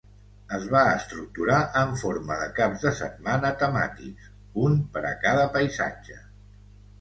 Es va estructurar en forma de caps de setmana temàtics, un per a cada paisatge.